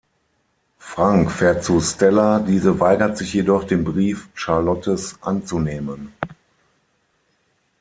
Frank fährt zu Stella, diese weigert sich jedoch, den Brief Charlottes anzunehmen.